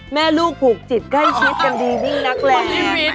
แม่ลูกผูกจิตใกล้ชิดกันดียิ่งนักแรง